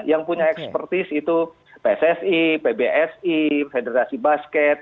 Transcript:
yang punya ekspertis itu pssi pbsi federasi basket